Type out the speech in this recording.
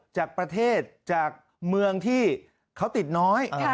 จากประเทศจากเมืองที่เขาติดน้อย